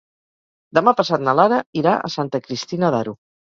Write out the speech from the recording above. Demà passat na Lara irà a Santa Cristina d'Aro.